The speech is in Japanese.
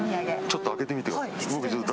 ちょっと開けてみてください。